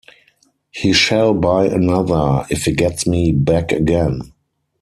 He shall buy another, if he gets me back again.